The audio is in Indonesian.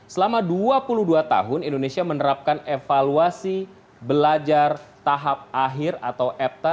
selama dua puluh dua tahun indonesia menerapkan evaluasi belajar tahap akhir atau epta